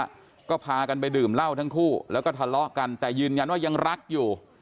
แล้วก็พากันไปดื่มเหล้าทั้งคู่แล้วก็ทะเลาะกันแต่ยืนยันว่ายังรักอยู่